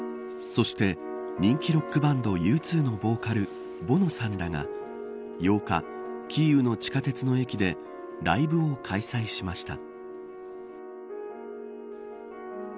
そして、人気ロックバンドＵ２のボーカルボノさんらが８日キーウの地下鉄の駅でライブを開催しました。